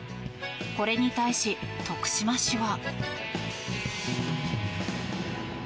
これに対し徳島市は。